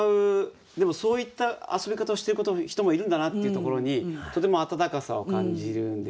でもそういった遊び方をしてる人もいるんだなっていうところにとても温かさを感じるんですよね。